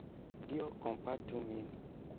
Dio kompatu nin!